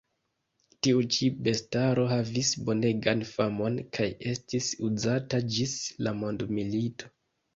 Tiu ĉi bestaro havis bonegan famon kaj estis uzata ĝis la mondmilito.